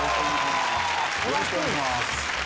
よろしくお願いします。